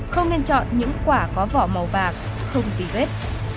không nên chọn những quả có vỏ màu vàng không tì vết